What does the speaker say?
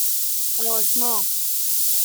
آزما